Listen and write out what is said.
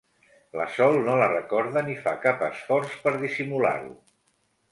La Sol no la recorda ni fa cap esforç per dissimular-ho.